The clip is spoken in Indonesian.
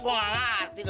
gua gak ngerti dong